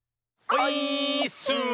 オイーッス！